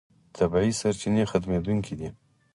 طبیعي سرچینې ختمېدونکې دي.